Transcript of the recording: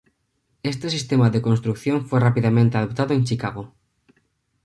Este sistema de construcción fue rápidamente adoptado en Chicago.